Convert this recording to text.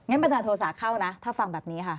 บันดาลโทษะเข้านะถ้าฟังแบบนี้ค่ะ